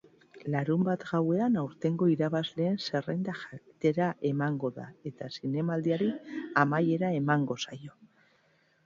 Larunbat gauean aurtengo irabazleen zerrenda jakitera emango da eta zinemaldiari amaiera emango zaio.